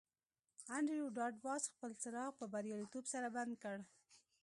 انډریو ډاټ باس خپل څراغ په بریالیتوب سره بند کړ